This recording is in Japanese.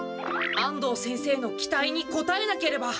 安藤先生の期待にこたえなければ。